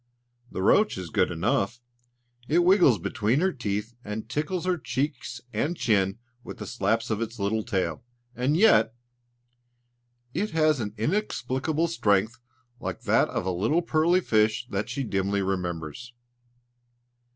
The roach is good enough! It wriggles between her teeth and tickles her cheeks and chin with slaps of its little tail; and yet ... it has an inexplicable strength like that of a little pearly fish that she dimly remembers.